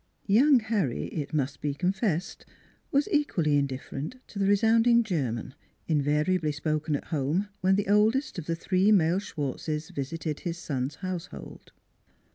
Young Harry, it must be confessed, was equally indifferent to the resounding German, invariably spoken at home when the oldest of the three male Schwartzes vis ited his son's household.